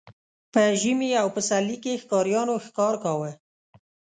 په ژمي او پسرلي کې ښکاریانو ښکار کاوه.